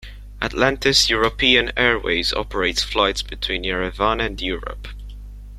Atlantis European Airways operates flights between Yerevan and Europe.